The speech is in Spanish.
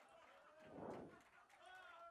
Es la leyenda del sitio del hambre.